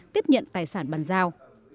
tiếp nhận tài sản bàn giao